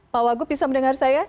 pak wagup bisa mendengar saya